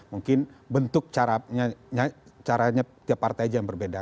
mungkin bentuk caranya tiap partai aja yang berbeda